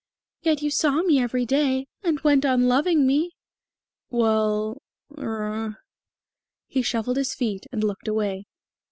"Yet you saw me every day, and went on loving me." "Well, er " He shuffled his feet and looked away.